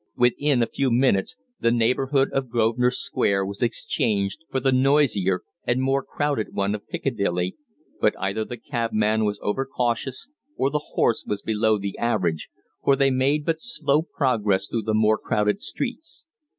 Within a few minutes the neighborhood of Grosvenor Square was exchanged for the noisier and more crowded one of Piccadilly, but either the cabman was overcautious or the horse was below the average, for they made but slow progress through the more crowded streets.